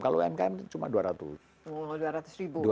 kalau umkm itu cuma dua ratus ribu